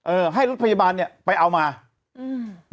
ให้รถพยาบาลเนี้ยไปเอามาอืม